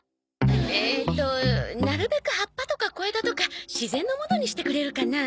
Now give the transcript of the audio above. えーとなるべく葉っぱとか小枝とか自然のものにしてくれるかな？